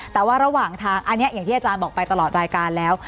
แต่ว่าระหว่างทางอันนี้อย่างที่อาจารย์บอกไปตลอดรายการแล้ว